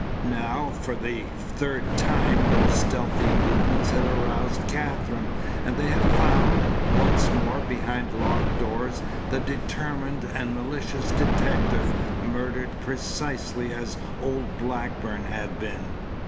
Now for the third time those stealthy movements had aroused Katherine, and they had found, once more behind locked doors, the determined and malicious detective, murdered precisely as old Blackburn had been.